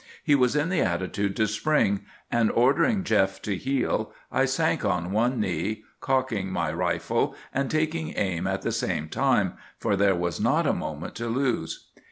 He was in the attitude to spring; and ordering Jeff 'to heel,' I sank on one knee, cocking my rifle and taking aim at the same time, for there was not a moment to lose.